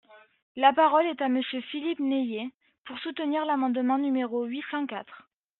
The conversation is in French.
La parole est à Monsieur Philippe Naillet, pour soutenir l’amendement numéro huit cent quatre.